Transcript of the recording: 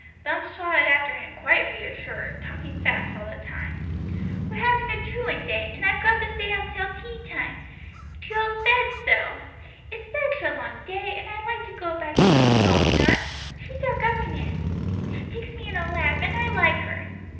Bumps trotted after him quite reassured, talking fast all the time. "We're having a truant day, and I've got to stay out till tea time Jill thaid so. It is such a long day, and I'd like to go back to Miss Falkner she's our governess. She takes me in her lap, and I like her.